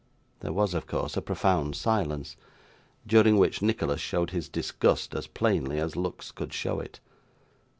There was, of course, a profound silence, during which Nicholas showed his disgust as plainly as looks could show it.